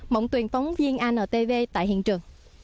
mộng tuyển phóng viên antv tại hiện trường